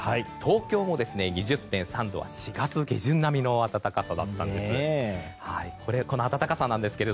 東京も２０．３度は４月下旬並みの暖かさだったんです。